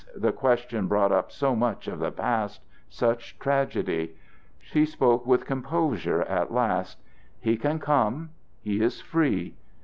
The question brought up so much of the past, such tragedy! She spoke with composure at last: "He can come. He is free.